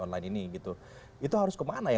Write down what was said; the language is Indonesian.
online ini gitu itu harus ke mana ya